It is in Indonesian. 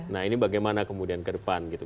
nah ini bagaimana kemudian ke depan gitu